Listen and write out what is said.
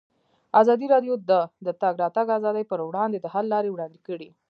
ازادي راډیو د د تګ راتګ ازادي پر وړاندې د حل لارې وړاندې کړي.